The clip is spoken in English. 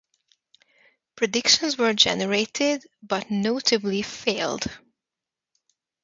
Predictions were generated, but notably failed.